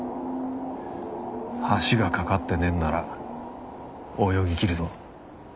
橋が架かってねえんなら泳ぎきるぞ。